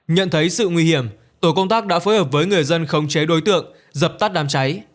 nhận thấy sự nguy hiểm tổ công tác đã phối hợp với người dân khống chế đối tượng dập tắt đám cháy